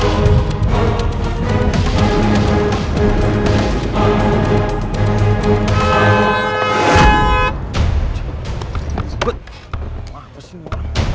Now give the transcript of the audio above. apa sih ini orangnya